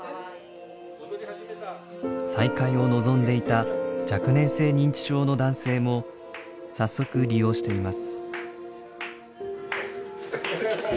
再開を望んでいた若年性認知症の男性も早速利用しています。